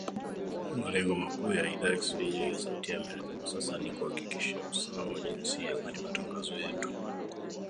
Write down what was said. Malengo makuu ya Idhaa ya kiswahili ya Sauti ya Amerika kwa sasa ni, kuhakikisha usawa wa jinsia kwenye matangazo yetu.